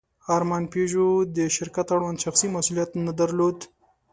ارمان پيژو د شرکت اړوند شخصي مسوولیت نه درلود.